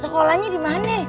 sekolahnya di mana nih